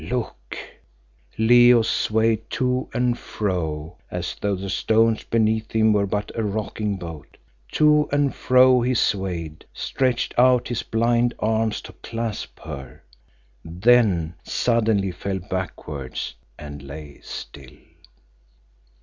Look! Leo swayed to and fro as though the stones beneath him were but a rocking boat. To and fro he swayed, stretched out his blind arms to clasp her then suddenly fell backwards, and lay still.